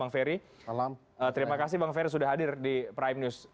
bang ferry terima kasih bang ferry sudah hadir di prime news